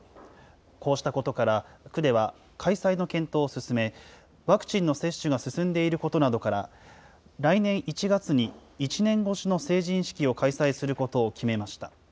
こうしたことから、区では開催の検討を進め、ワクチンの接種が進んでいることなどから、来年１月に、１年越しの成人式を開催することを決めました。